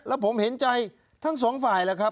แล้วผมเห็นใจทั้งสองฝ่ายแล้วครับ